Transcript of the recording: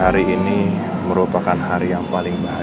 aku eita terus diberikan atas unto you